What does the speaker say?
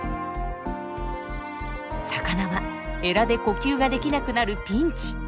魚はエラで呼吸ができなくなるピンチ。